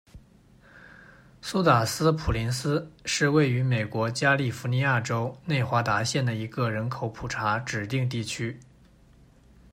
苏打斯普林斯是位于美国加利福尼亚州内华达县的一个人口普查指定地区。